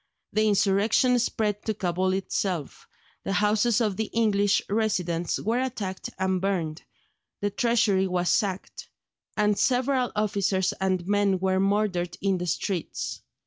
The insurrection spread to Cabul itself; the houses of the English residents were attacked and burned, the Treasury was sacked, and several officers and men were murdered in the streets.